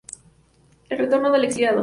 El retorno del exiliado".